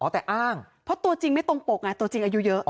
แต่อ้างเพราะตัวจริงไม่ตรงปกไงตัวจริงอายุเยอะ